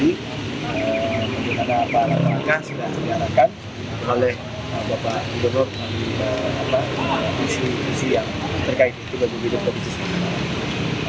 dan juga dengan pak raka sudah diharakan oleh bapak ibu nur dan bapak bisi yang terkait dengan hidup provinsi sumatera